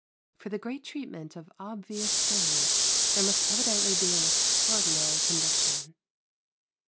For the great treatment of obvious things there must evidently be an extraordinary conviction.